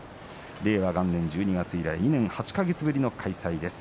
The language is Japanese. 令和３年１２月以来２年８か月ぶりの開催です。